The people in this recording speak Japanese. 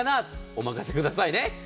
お任せくださいね。